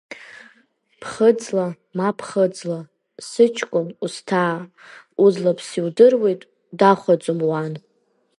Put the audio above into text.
Ԥхыӡла, ма ԥхыӡла, сыҷкәын, усҭаа, Удлаԥса иудыруеит дахәаӡом уан.